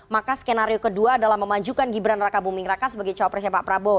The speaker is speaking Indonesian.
maka skenario kedua adalah memanjukan gibran raka buming raka sebagai cowok presiden pak prabowo